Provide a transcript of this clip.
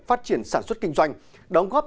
phát triển sản xuất kinh doanh đóng góp